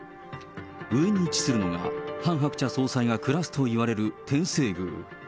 上に位置するのが、ハン・ハクチャ総裁が暮らすといわれる天正宮。